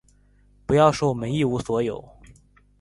不要说我们一无所有，